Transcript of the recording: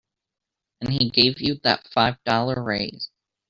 And he gave you that five dollar raise.